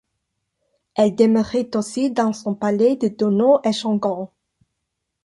Elle demeurait aussi dans son palais de Donau-Eschingen.